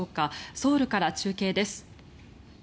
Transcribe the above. ソウルから中継です。